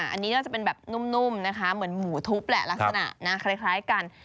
อันนี้น่าจะเป็นแบบนุ่มนะคะเหมือนหมูทุบแหละลักษณะนะคล้ายกัน